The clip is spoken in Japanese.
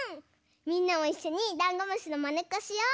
みんなもいっしょにダンゴムシのまねっこしよう！